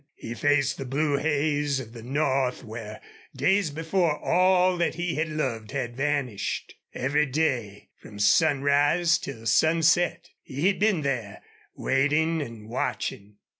He faced the blue haze of the north, where days before all that he had loved had vanished. Every day, from sunrise till sunset, he had been there, waiting and watching.